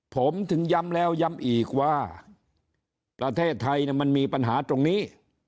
ผมถึงย้ำแล้วย้ำอีกว่าประเทศไทยมันมีปัญหาตรงนี้